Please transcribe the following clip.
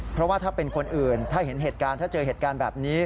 เพราะว่าถ้าเป็นคนอื่นถ้าเห็นเหตุการณ์แล้ว